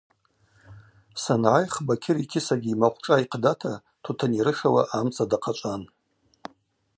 Сангӏайх Бакьыр йкьысагьи ймахъвшӏа йхъдата тутын йрышауа амца дахъачӏван.